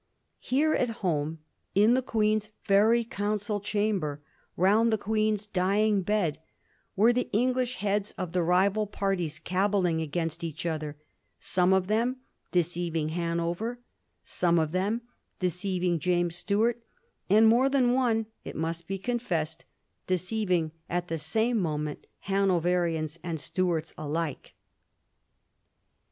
Here, at home, in the Queen's very council chamber, round the Queen's dying bed, were the English heads of the rival parties caballing against each other, some of them deceiving Hanover, some of them deceiving James Stuart, and more than one, it must be confessed, deceiving at the same moment Hanoverians and Stuarts alike.